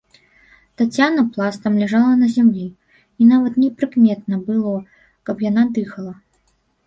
Таццяна пластом ляжала на зямлі, і нават непрыкметна было, каб яна дыхала.